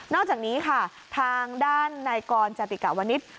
อกจากนี้ค่ะทางด้านนายกรจติกะวนิษฐ์